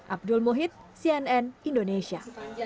abdul muhid cnn indonesia